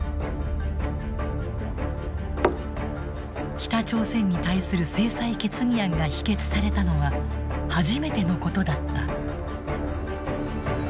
北朝鮮に対する制裁決議案が否決されたのは初めてのことだった。